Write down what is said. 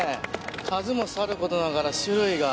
数もさることながら種類が。